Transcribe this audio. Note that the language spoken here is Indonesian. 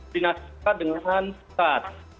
dinasihatkan dengan stat